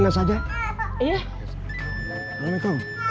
ustaz saya kesana saja